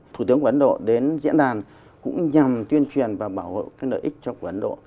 thủ tướng của ấn độ đến diễn đàn cũng nhằm tuyên truyền và bảo vệ cái lợi ích cho quốc ấn độ